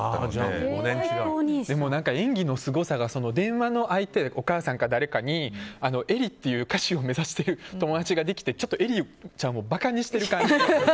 でも、演技のすごさが電話の相手お母さんか誰かにえりっていう歌手を目指してる友達ができてちょっと、えりちゃんを馬鹿にしてる感じ。